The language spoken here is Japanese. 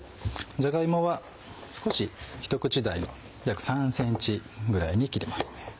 じゃが芋は少しひと口大の約３ｃｍぐらいに切りますね。